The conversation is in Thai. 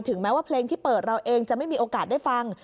แม้ว่าเพลงที่เปิดเราเองจะไม่มีโอกาสได้ฟัง